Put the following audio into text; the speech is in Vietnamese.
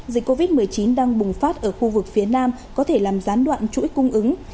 dịch covid một mươi chín đang bùng phát ở khu vực phía nam có thể làm gián đoạn chuỗi cung ứng